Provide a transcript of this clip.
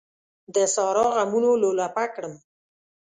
د سارا غمونو لولپه کړم.